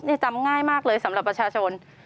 นี่จำง่ายมากเลยสำหรับประชาชน